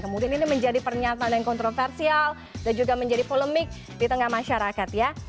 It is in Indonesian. kemudian ini menjadi pernyataan yang kontroversial dan juga menjadi polemik di tengah masyarakat ya